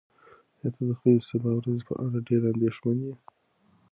ایا ته د خپلې سبا ورځې په اړه ډېر اندېښمن یې؟